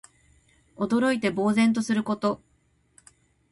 驚いて呆然とすること。